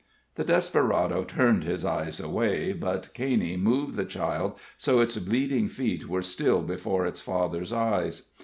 The desperado turned his eyes away; but Caney moved the child so its bleeding feet were still before its father's eyes.